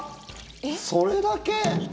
それだけ？